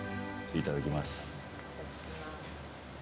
いただきます。